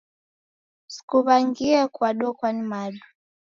Sikuw'angie kwadokwa ni madu.